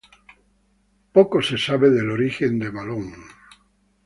Poco se sabe del origen de Malón.